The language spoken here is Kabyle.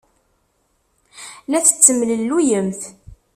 La tettemlelluyemt.